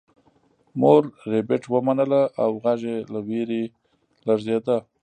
مور ربیټ ومنله او غږ یې له ویرې لړزیده